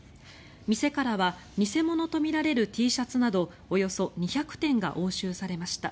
店からは偽物とみられるＴシャツなどおよそ２００点が押収されました。